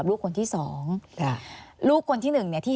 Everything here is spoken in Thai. อันดับ๖๓๕จัดใช้วิจิตร